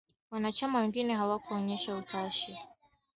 Wanachama wengine hawakuonyesha utashi wa kuwa wenyeji.